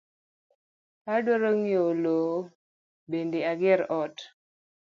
Adwa ng’iewo lowo bende agere ot